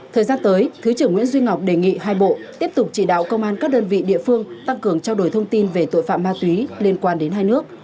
thời gian tới thứ trưởng nguyễn duy ngọc đề nghị hai bộ tiếp tục chỉ đạo công an các đơn vị địa phương tăng cường trao đổi thông tin về tội phạm ma túy liên quan đến hai nước